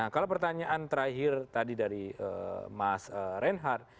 kalau pertanyaan terakhir tadi dari mas reinhardt